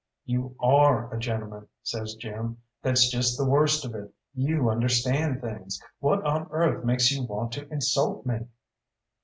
"You are a gentleman," says Jim, "that's just the worst of it you understand things. What on earth makes you want to insult me?"